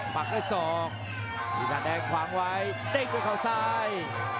ปักด้วยศอกปีศาจแดงขวางไว้เด้งด้วยเขาซ้าย